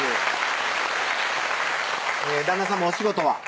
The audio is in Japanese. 旦那さまお仕事は？